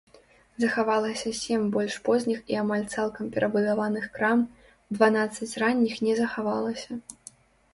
Захавалася сем больш позніх і амаль цалкам перабудаваных крам, дванаццаць ранніх не захавалася.